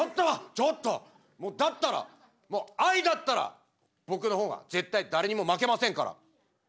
だったら愛だったら僕の方が絶対誰にも負けませんから。